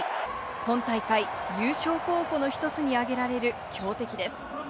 今大会、優勝候補の１つに挙げられる強敵です。